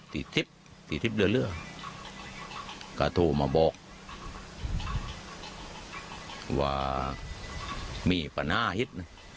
ติดทิศติดทิศเรื่อยกระโทรมาบอกว่ามีปนาฮิต